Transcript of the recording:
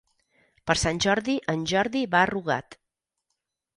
Per Sant Jordi en Jordi va a Rugat.